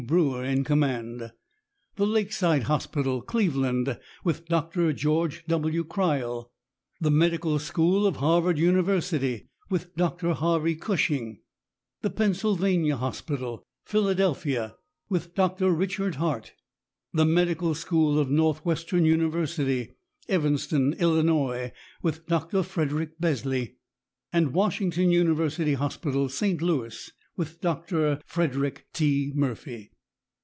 Brewer in command; the Lakeside Hospital, Cleveland, with Doctor George W. Crile; the Medical School of Harvard University, with Doctor Harvey Cushing; the Pennsylvania Hospital, Philadelphia, with Doctor Richard Harte; the Medical School of Northwestern University, Evanston, Illinois, with Doctor Frederick Besley, and Washington University Hospital, Saint Louis, with Doctor Frederick T. Murphy.